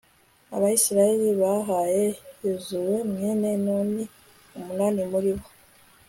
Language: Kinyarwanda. abayisraheli bahaye yozuwe mwene nuni, umunani muri bo